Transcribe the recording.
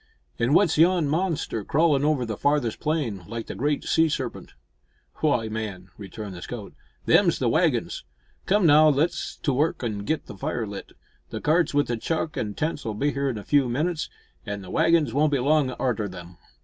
"An' w'at's yon monster crawlin' over the farthest plain, like the great sea serpent?" "Why, man," returned the scout, "them's the waggins. Come, now, let's to work an' git the fire lit. The cart wi' the chuck an' tents'll be here in a few minutes, an' the waggins won't be long arter 'em."